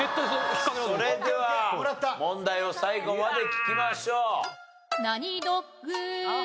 それでは問題を最後まで聞きましょう。